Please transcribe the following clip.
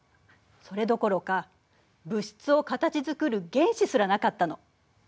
それどころか物質を形づくる原子すらなかったの。